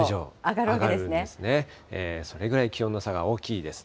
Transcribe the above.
それぐらい気温の差が大きいです。